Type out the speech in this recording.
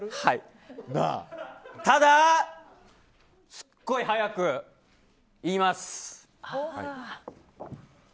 ただ、すっごい早く言います！